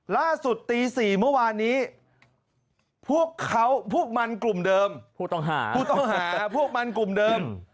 ล่าสุดตีสี่เมื่อวานี้พวกเขาพวกมันกลุ่มเดิมพวกต้องหาพวกมันกลุ่มเดิม